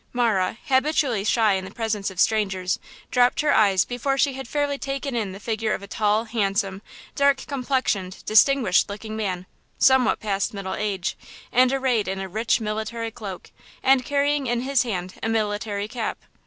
Marah, habitually shy in the presence of strangers, dropped her eyes before she had fairly taken in the figure of a tall, handsome, dark complexioned, distinguished looking man, somewhat past middle age, and arrayed in a rich military cloak, and carrying in his hand a military cap.